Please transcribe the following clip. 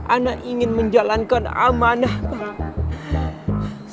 anak ingin menjalankan amanah